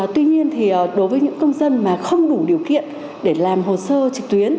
tuy nhiên đối với những công dân không đủ điều kiện để làm hồ sơ trực tuyến